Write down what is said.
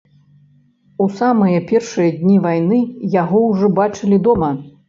У самыя першыя дні вайны яго ўжо бачылі дома.